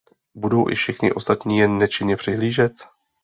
Budou i všichni ostatní jen nečinně přihlížet?